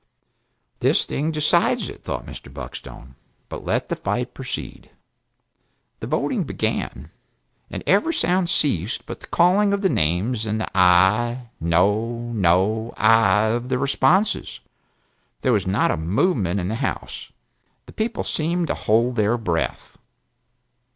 "This thing decides it!" thought Mr. Buckstone; "but let the fight proceed." The voting began, and every sound ceased but the calling if the names and the "Aye!" "No!" "No!" "Aye!" of the responses. There was not a movement in the House; the people seemed to hold their breath.